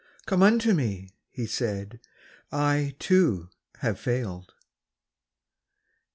Come unto Me,' He said; 'I, too, have failed.